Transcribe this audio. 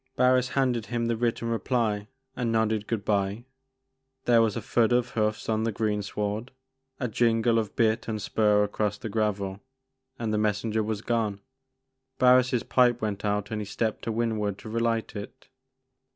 Barris handed him the written reply and nodded good bye : there was a thud of hoofs on the greensward, a jingle of bit and spur across the gravel, and the messenger was gone. Barris* pipe went out and be stepped to windward to relight it.